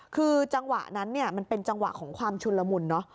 คือจังหวะนั้นมันเป็นจังหวะของความชุนละมุน